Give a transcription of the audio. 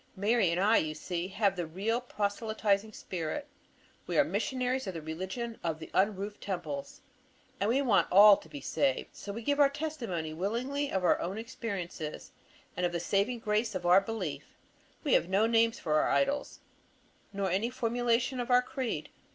Mary and I, you see, have the real proselyting spirit; we are missionaries of the religion of the unroofed temples. And we want all to be saved! So we give testimony willingly of our own experiences, and of the saving grace of our belief. We have no names for our idols, nor any formulation of our creed.